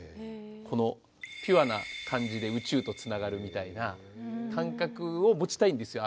このピュアな感じで宇宙とつながるみたいな感覚を持ちたいんですよ